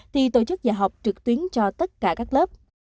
thì tổ chức dạy học trực tuyến cho tất cả các lớp